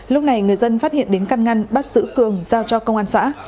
lúc này người dân phát hiện đến căn ngăn bắt giữ cường giao cho công an xã